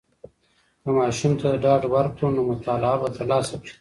که ماشوم ته ډاډ ورکړو، نو مطالعه به تر لاسه کړي.